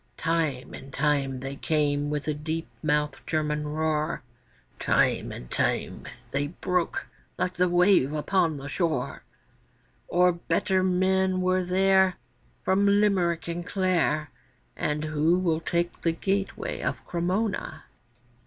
Time and time they came with the deep mouthed German roar, Time and time they broke like the wave upon the shore; For better men were there From Limerick and Clare, And who will take the gateway of Cremona?